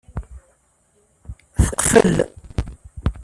Teqfel.